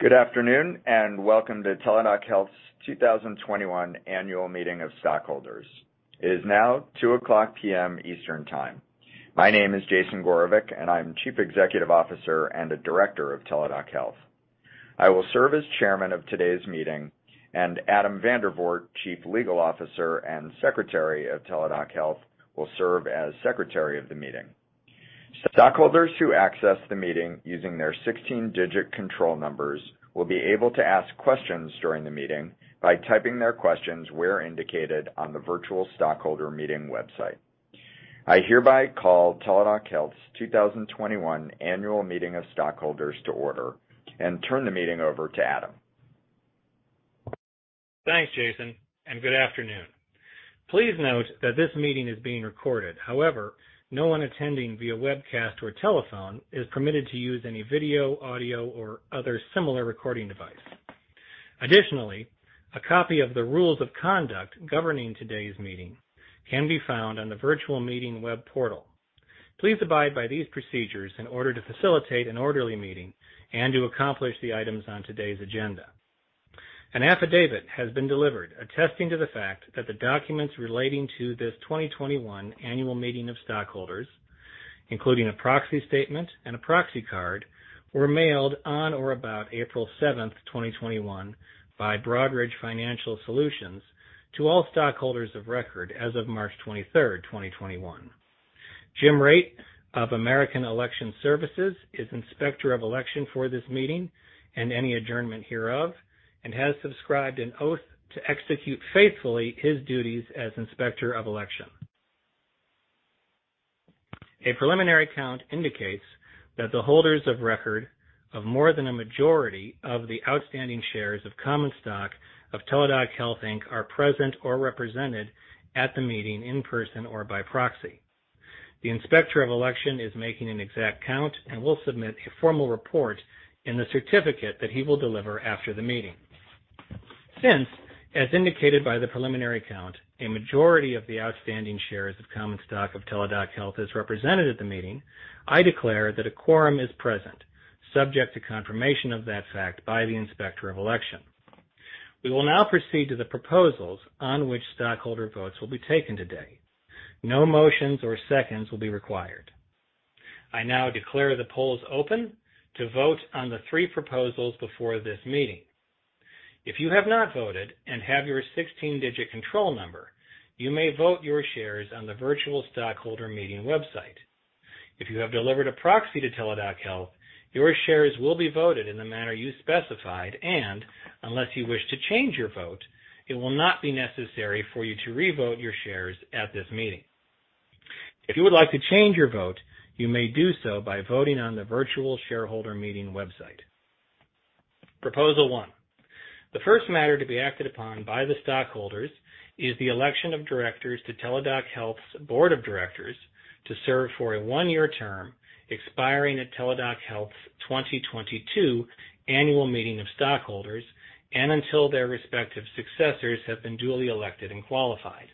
Good afternoon, and welcome to Teladoc Health's 2021 Annual Meeting of Stockholders. It is now 2:00 P.M. Eastern Time. My name is Jason Gorevic, and I'm Chief Executive Officer and a Director of Teladoc Health. I will serve as Chairman of today's meeting, and Adam Vandervoort, Chief Legal Officer and Secretary of Teladoc Health, will serve as Secretary of the meeting. Stockholders who access the meeting using their 16-digit control numbers will be able to ask questions during the meeting by typing their questions where indicated on the virtual stockholder meeting website. I hereby call Teladoc Health's 2021 Annual Meeting of Stockholders to order and turn the meeting over to Adam. Thanks, Jason, and good afternoon. Please note that this meeting is being recorded. However, no one attending via webcast or telephone is permitted to use any video, audio, or other similar recording device. Additionally, a copy of the rules of conduct governing today's meeting can be found on the virtual meeting web portal. Please abide by these procedures in order to facilitate an orderly meeting and to accomplish the items on today's agenda. An affidavit has been delivered attesting to the fact that the documents relating to this 2021 Annual Meeting of Stockholders, including a proxy statement and a proxy card, were mailed on or about April 7th, 2021, by Broadridge Financial Solutions to all stockholders of record as of March 23rd, 2021. Jim Rate of American Election Services is Inspector of Election for this meeting and any adjournment hereof and has subscribed an oath to execute faithfully his duties as Inspector of Election. A preliminary count indicates that the holders of record of more than a majority of the outstanding shares of common stock of Teladoc Health, Inc. are present or represented at the meeting in person or by proxy. The Inspector of Election is making an exact count and will submit a formal report in the certificate that he will deliver after the meeting. Since, as indicated by the preliminary count, a majority of the outstanding shares of common stock of Teladoc Health is represented at the meeting, I declare that a quorum is present, subject to confirmation of that fact by the Inspector of Election. We will now proceed to the proposals on which stockholder votes will be taken today. No motions or seconds will be required. I now declare the polls open to vote on the three proposals before this meeting. If you have not voted and have your 16-digit control number, you may vote your shares on the virtual stockholder meeting website. If you have delivered a proxy to Teladoc Health, your shares will be voted in the manner you specified, and unless you wish to change your vote, it will not be necessary for you to revote your shares at this meeting. If you would like to change your vote, you may do so by voting on the virtual shareholder meeting website. Proposal 1, the first matter to be acted upon by the stockholders is the election of directors to Teladoc Health's board of directors to serve for a one-year term expiring at Teladoc Health's 2022 Annual Meeting of Stockholders and until their respective successors have been duly elected and qualified.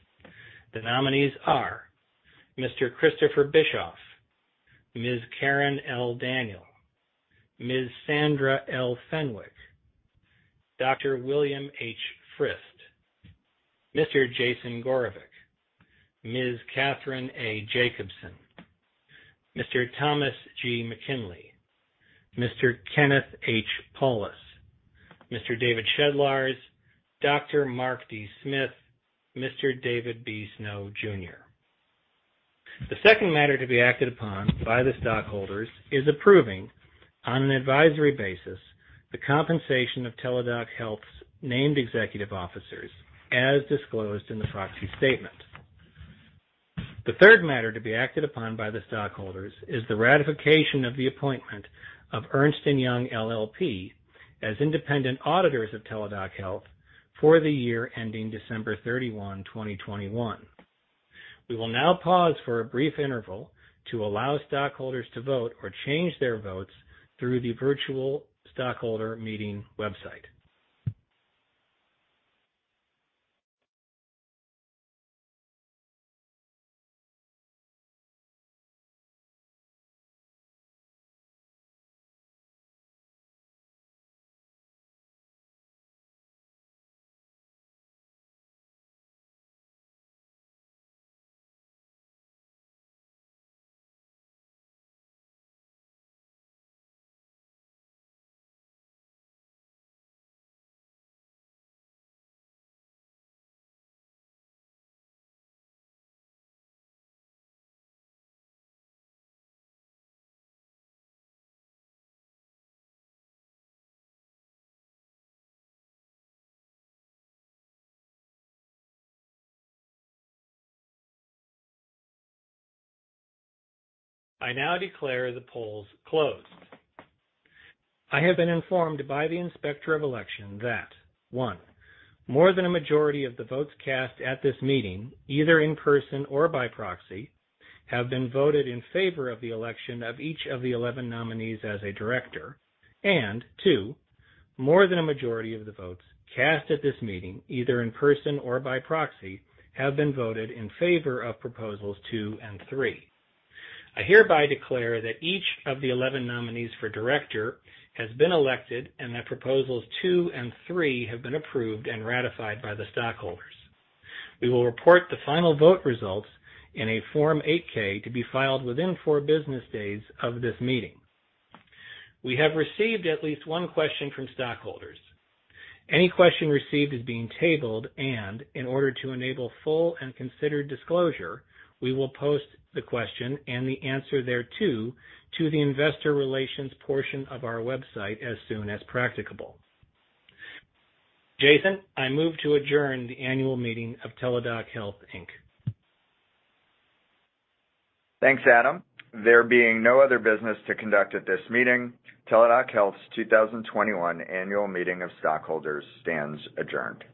The nominees are Mr. Christopher Bischoff, Ms. Karen L. Daniel, Ms. Sandra L. Fenwick, Dr. William H. Frist, Mr. Jason Gorevic, Ms. Catherine A. Jacobson, Mr. Thomas G. McKinley, Mr. Kenneth H. Paulus, Mr. David Shedlarz, Dr. Mark D. Smith, Mr. David B. Snow Jr. The second matter to be acted upon by the stockholders is approving, on an advisory basis, the compensation of Teladoc Health's named executive officers as disclosed in the proxy statement. The third matter to be acted upon by the stockholders is the ratification of the appointment of Ernst & Young LLP as independent auditors of Teladoc Health for the year ending December 31, 2021. We will now pause for a brief interval to allow stockholders to vote or change their votes through the virtual stockholder meeting website. I now declare the polls closed. I have been informed by the Inspector of Election that, one, more than a majority of the votes cast at this meeting, either in person or by proxy, have been voted in favor of the election of each of the 11 nominees as a director. Two, more than a majority of the votes cast at this meeting, either in person or by proxy, have been voted in favor of proposals 2 and 3 I hereby declare that each of the 11 nominees for director has been elected and that proposals two and three have been approved and ratified by the stockholders. We will report the final vote results in a Form 8-K to be filed within four business days of this meeting. We have received at least one question from stockholders. Any question received is being tabled, and in order to enable full and considered disclosure, we will post the question and the answer thereto to the investor relations portion of our website as soon as practicable. Jason, I move to adjourn the annual meeting of Teladoc Health, Inc. Thanks, Adam. There being no other business to conduct at this meeting, Teladoc Health's 2021 Annual Meeting of Stockholders stands adjourned.